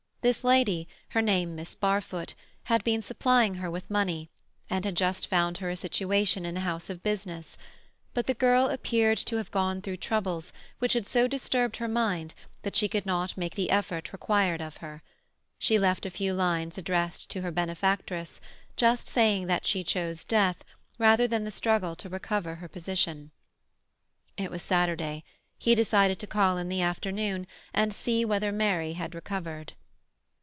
This lady, her name Miss Barfoot, had been supplying her with money, and had just found her a situation in a house of business; but the girl appeared to have gone through troubles which had so disturbed her mind that she could not make the effort required of her. She left a few lines addressed to her benefactress, just saying that she chose death rather than the struggle to recover her position. It was Saturday. He decided to call in the afternoon and see whether Mary had recovered.